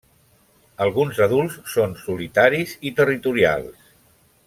Alguns adults són solitaris i territorials.